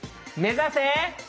目指せ！